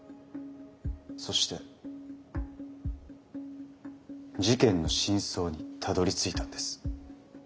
そして事件の真相にたどりついたんです。